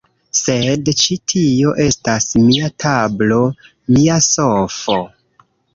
Sed ĉi tio estas mia tablo; mia sofo